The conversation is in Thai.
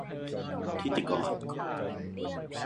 ฐิติกร